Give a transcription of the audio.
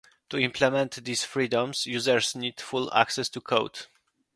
To implement these freedoms, users needed full access to code.